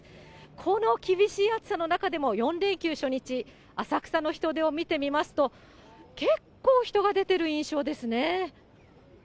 この厳しい暑さの中でも、４連休初日、浅草の人出を見てみますと、結構、人が出てる印象ですね。